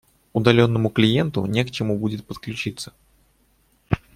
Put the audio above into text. Удаленному клиенту не к чему будет подключиться